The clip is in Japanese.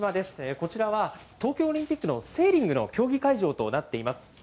こちらは東京オリンピックのセーリングの競技会場となっています。